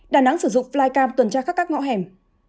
đà nẵng sử dụng flycam tuần tra khắp các ngõ hẻm